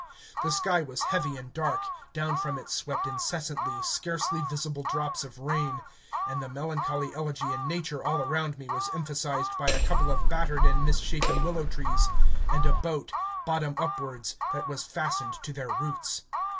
The sky was heavy and dark; down from it swept incessantly scarcely visible drops of rain, and the melancholy elegy in nature all around me was emphasised by a couple of battered and misshapen willow trees and a boat, bottom upwards, that was fastened to their roots.